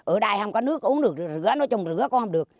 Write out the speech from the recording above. ở đây không có nước uống được rửa nói chung rửa cũng không được